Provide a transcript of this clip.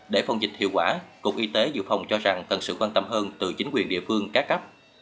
để phòng dịch hiệu quả cục y tế dự phòng cho rằng cần sự quan tâm hơn từ chính quyền địa phương cá cấp